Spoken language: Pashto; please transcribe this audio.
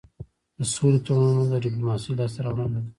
د سولې تړونونه د ډيپلوماسی لاسته راوړنه ده.